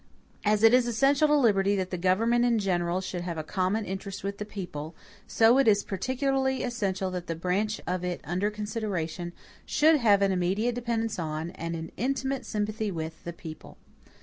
As it is essential to liberty that the government in general should have a common interest with the people, so it is particularly essential that the branch of it under consideration should have an immediate dependence on, and an intimate sympathy with, the people.